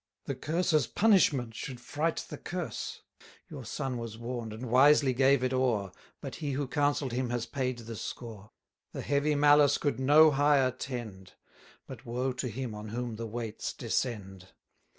The cursor's punishment should fright the curse: Your son was warn'd, and wisely gave it o'er, 310 But he who counsell'd him has paid the score: The heavy malice could no higher tend, But woe to him on whom the weights descend.